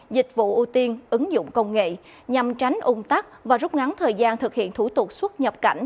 dịch vụ ưu tiên ứng dụng công nghệ nhằm tránh ung tắc và rút ngắn thời gian thực hiện thủ tục xuất nhập cảnh